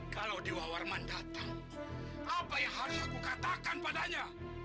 kalau dewa warman datang apa yang harus aku katakan padanya